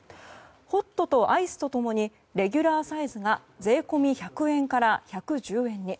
ホットとアイスと共にレギュラーサイズが税込み１００円から１１０円に。